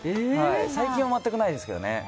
最近は全くないですけどね。